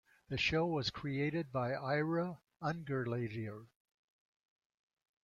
The show was created by Ira Ungerleider.